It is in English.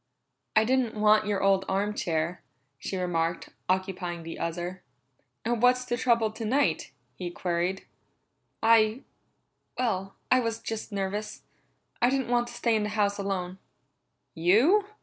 "I didn't want your old arm chair," she remarked, occupying the other. "And what's the trouble tonight?" he queried. "I well, I was just nervous. I didn't want to stay in the house alone." "You?"